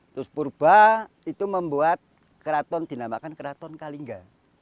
terus purba itu membuat keraton dinamakan keraton kalingga